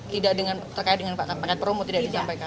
tidak terkait dengan paket promo tidak disampaikan